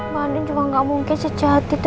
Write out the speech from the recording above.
mbak andin juga gak mungkin sejahat itu